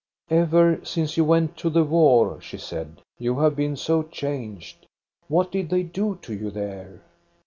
" Ever since you went to the war," she said, " you have been so changed. What did they do to you there